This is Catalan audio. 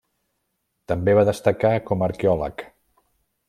També va destacar com a arqueòleg.